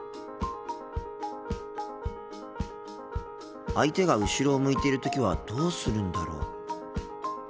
心の声相手が後ろを向いている時はどうするんだろう？